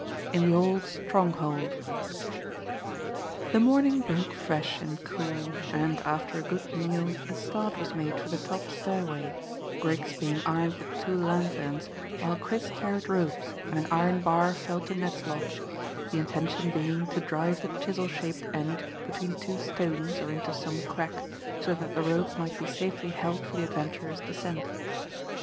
IN THE OLD STRONGHOLD. The morning broke fresh and cool, and after a good meal a start was made for the top stairway, Griggs being armed with two lanthorns, while Chris carried ropes, and an iron bar fell to Ned's lot, the intention being to drive the chisel shaped end between two stones or into some crack, so that the rope might be safely held for the adventurer's descent.